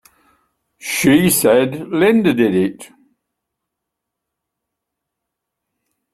She said Linda did it!